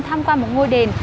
thăm qua một ngôi đền